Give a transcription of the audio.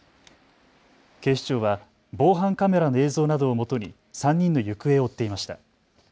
警視庁は防犯カメラの映像などをもとに３人の行方を追っていました。